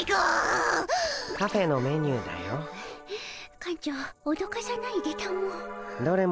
館長おどかさないでたも。